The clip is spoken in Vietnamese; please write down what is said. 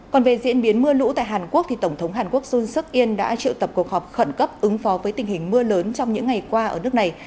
còn về diễn biến mưa lũ tại hàn quốc tổng thống hàn quốc jun suk in đã triệu tập cuộc họp khẩn cấp ứng phó với tình hình mưa lớn trong những ngày qua ở nước này